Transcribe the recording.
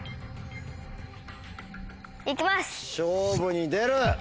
勝負に出る！